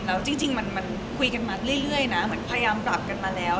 แล้วจริงมันคุยกันมาเรื่อยนะเหมือนพยายามปรับกันมาแล้ว